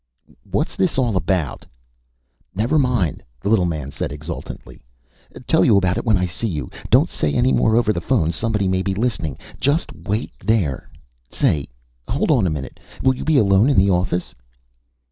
"What's this all about?" "Never mind," the little man said exultantly. "Tell you about it when I see you. Don't say any more over the phone somebody may be listening. Just wait there. Say, hold on a minute. Will you be alone in the office?"